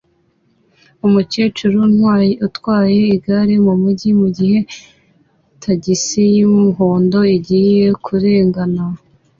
umukecuru utwaye igare mumujyi mugihe tagisi yumuhondo igiye kurengana